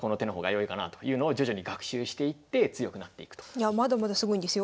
いやまだまだすごいんですよ。